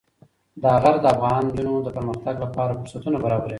دا غر د افغان نجونو د پرمختګ لپاره فرصتونه برابروي.